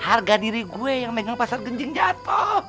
harga diri gue yang megang pasar genjing jatuh